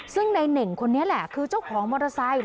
ซึ่งในเน่งคนนี้แหละคือเจ้าของมอเตอร์ไซค์